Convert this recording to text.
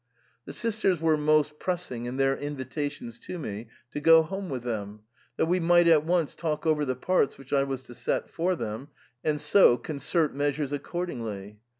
The sisters were most pressing in their invitations to me to go home with them, that we might at once talk over the parts which I was to set for them and so concert measures accordingly.